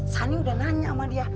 sani udah nanya sama dia